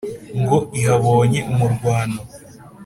Ngo ihabonye umurwano.